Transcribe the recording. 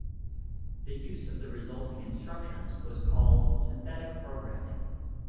The use of the resulting instructions was called "synthetic programming".